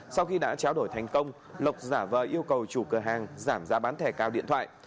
sau khi đã tráo đổi thành công lộc giả vờ yêu cầu chủ cửa hàng giảm giá bán thẻ cào điện thoại